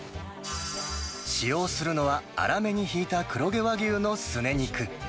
使用するのは、粗めにひいた黒毛和牛のすね肉。